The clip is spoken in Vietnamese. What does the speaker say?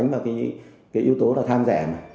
cái yếu tố là tham rẻ mà